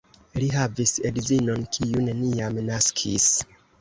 Li havis edzinon, kiu neniam naskis.